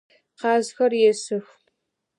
Къазхэр есых.